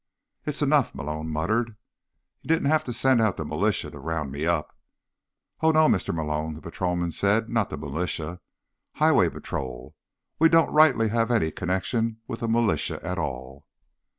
"It's enough," Malone muttered. "He didn't have to send out the militia to round me up." "Oh, no, Mr. Malone," the patrolman said. "Not the militia. Highway Patrol. We don't rightly have any connection with the militia at all."